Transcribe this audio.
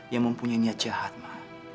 yang mempunyai niat jahat mah